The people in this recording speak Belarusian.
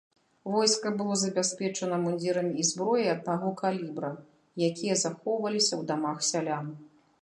Войска было забяспечана мундзірамі і зброяй аднаго калібра, якія захоўваліся ў дамах сялян.